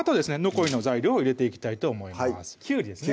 残りの材料を入れていきたいと思いますきゅうりですね